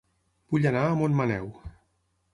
Vull anar a Montmaneu